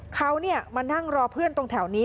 เขามานั่งรอเพื่อนตรงแถวนี้